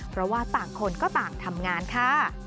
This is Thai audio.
เพราะว่าต่างคนก็ต่างทำงานค่ะ